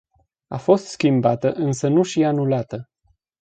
A fost schimbată, însă nu și anulată.